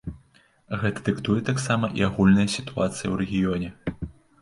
Гэта дыктуе таксама і агульная сітуацыя ў рэгіёне.